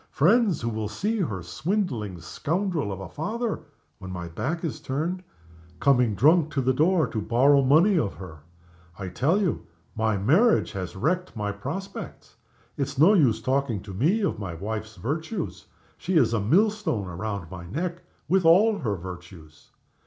Friends who will see her swindling scoundrel of a father (when my back is turned) coming drunk to the door to borrow money of her! I tell you, my marriage has wrecked my prospects. It's no use talking to me of my wife's virtues. She is a millstone round my neck, with all her virtues.